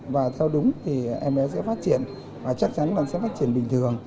và theo đúng thì em bé sẽ phát triển và chắc chắn là sẽ phát triển bình thường